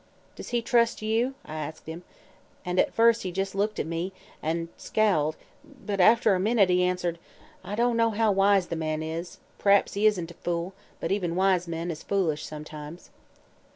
"'Does he trust you?' I asked him; an' at first he jus' looked at me an' scowled; but after a minute he answered: 'I don't know how wise the man is. P'r'aps he isn't a fool; but even wise men is foolish sometimes.'